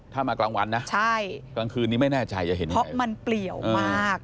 ถ้ามากลางวันนะใช่กลางคืนนี้ไม่แน่ใจจะเห็นเพราะมันเปลี่ยวมาก